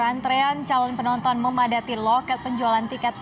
antrean calon penonton memadati loket penjualan tiket